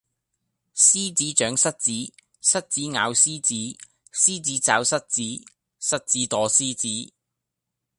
獅子長蝨子，蝨子咬獅子，獅子抓蝨子，蝨子躲獅子